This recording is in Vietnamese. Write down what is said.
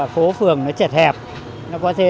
phố phường nó chật hẹp nó có thế